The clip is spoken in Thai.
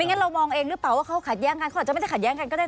งั้นเรามองเองหรือเปล่าว่าเขาขัดแย้งกันเขาอาจจะไม่ได้ขัดแย้งกันก็ได้